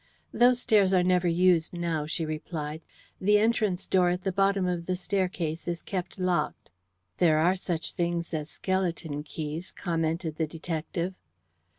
"Those stairs are never used now," she replied. "The entrance door at the bottom of the staircase is kept locked." "There are such things as skeleton keys," commented the detective.